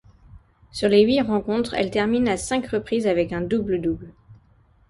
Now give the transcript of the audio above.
Sur les huit rencontres, elle termine à cinq reprises avec un double-double.